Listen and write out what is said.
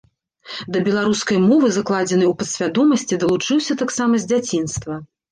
Да беларускай мовы, закладзенай у падсвядомасці, далучыўся таксама з дзяцінства.